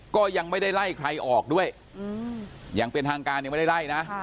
ก็ยังไม่ได้ไล่ใครออกด้วยอย่างเป็นทางการยังไม่ได้ไล่นะ